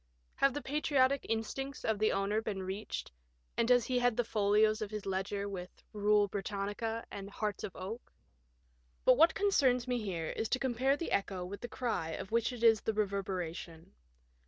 Have the patriotic instincts of the owner been reached, and does he head the folios of his ledger with '^ Bule, Britannia " and " Hearts of Oak ?" But what concerns me here is to compare the echo with the cry of which it is the reverberation.